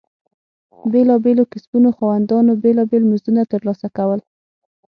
بېلابېلو کسبونو خاوندانو بېلابېل مزدونه ترلاسه کول.